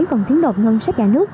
còn thiến đột ngân sách nhà nước